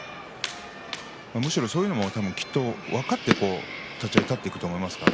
むしろ、そういうことも分かって立ち合いあたっていくと思います。